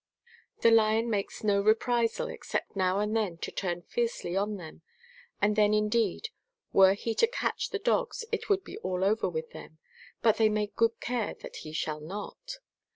'Ihe lion makes no reprisal except now and then to Chap. LIX. THE PROVINCE OF CUIJU. 89 turn fiercely on them, and then indeed were he to catch the dogs it would be all over with them, but they take good care that he shall not.